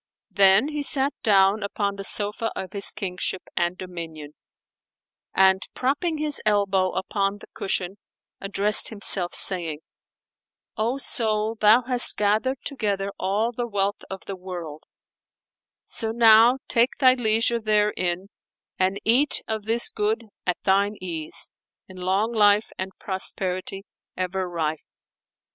Then he sat down upon the sofa of his kingship and dominion; and, propping his elbow upon the cushion, addressed himself, saying, "O soul, thou hast gathered together all the wealth of the world; so now take thy leisure therein and eat of this good at thine ease, in long life and prosperity ever rife!"